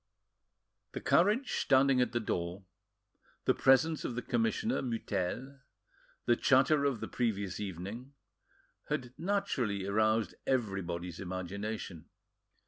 The carriage standing at the door, the presence of the commissioner Mutel, the chatter of the previous evening, had naturally roused everybody's imagination.